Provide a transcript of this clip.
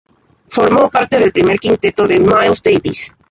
Formó parte del primer quinteto de Miles Davis.